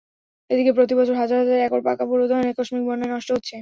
এদিকে প্রতিবছর হাজার হাজার একর পাকা বোরো ধান আকস্মিক বন্যায় নষ্ট হচ্ছে।